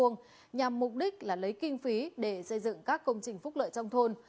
nhằm mục đích là lấy kinh phí để xây dựng các công trình phúc lợi trong thôn